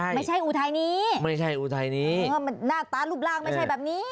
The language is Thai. อุทัยนี้ไม่ใช่อุทัยนี้หน้าตารูปร่างไม่ใช่แบบนี้